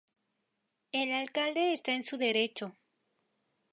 El alcalde está en su derecho...".